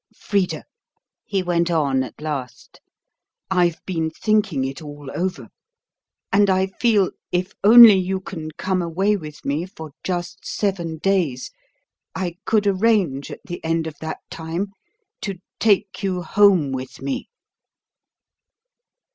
"Frida," he went on at last, "I've been thinking it all over; and I feel, if only you can come away with me for just seven days, I could arrange at the end of that time to take you home with me."